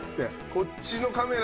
こっちのカメラ。